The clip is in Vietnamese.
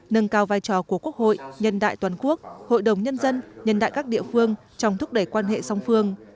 nâng cao vai trò của quốc hội nhân đại toàn quốc hội đồng nhân dân nhân đại các địa phương trong thúc đẩy quan hệ song phương